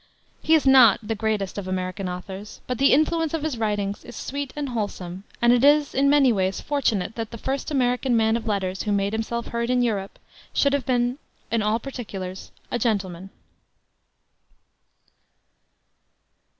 He is not the greatest of American authors, but the influence of his writings is sweet and wholesome, and it is in many ways fortunate that the first American man of letters who made himself heard in Europe should have been in all particulars a gentleman.